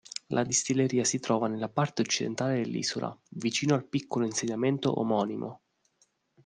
La distilleria si trova nella parte occidentale dell'isola, vicino al piccolo insediamento omonimo.